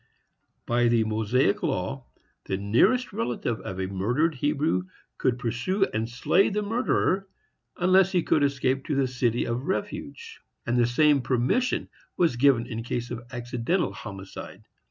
By the Mosaic law, the nearest relative of a murdered Hebrew could pursue and slay the murderer, unless he could escape to the city of refuge; and the same permission was given in case of accidental homicide.